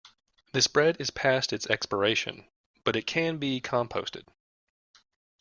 This bread is past its expiration, but it can be composted.